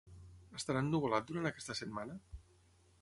Estarà ennuvolat durant aquesta setmana?